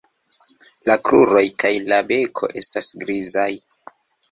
La kruroj kaj la beko estas grizaj.